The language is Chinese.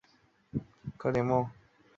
他创造了最低生活保障工资收入。